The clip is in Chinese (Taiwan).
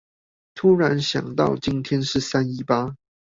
突然想到今天是三一八